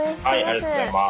ありがとうございます。